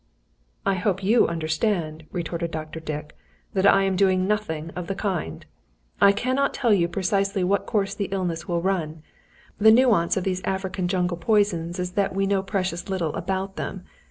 "I hope you understand," retorted Dr. Dick, "that I am doing nothing of the kind. I cannot tell you precisely what course the illness will run; the nuisance of these African jungle poisons is that we know precious little about them.